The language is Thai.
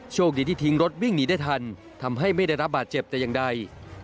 โชคดีที่ทิ้งรถวิ่งหนีได้ทันทำให้ไม่ได้รับบาดเจ็บแต่อย่างใด